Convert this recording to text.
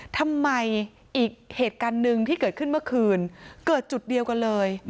ทำไมอีกเหตุการณ์หนึ่งที่เกิดขึ้นเมื่อคืนเกิดจุดเดียวกันเลย